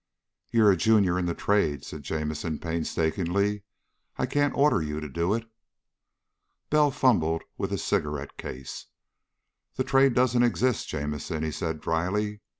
"You're a junior in the Trade," said Jamison painstakingly. "I can't order you to do it." Bell fumbled with his cigarette case. "The Trade doesn't exist, Jamison," he said dryly.